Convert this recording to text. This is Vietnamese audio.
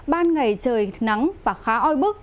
ban ngày trời nắng và khá oi bức